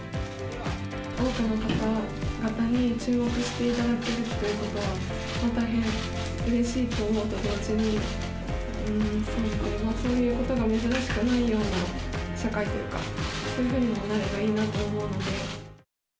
多くの方々に注目していただけるということは大変うれしいと思うと同時に、そういうことが珍しくないような社会というか、そういうふうになればいいなと思うので。